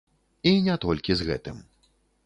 І не толькі з гэтым.